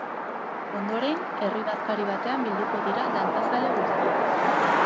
Ondoren, herri bazkari batean bilduko dira dantzazale guztiak.